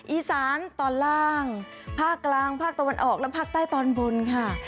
อีสานตอนล่างภาคกลางภาคตะวันออกและภาคใต้ตอนบนค่ะ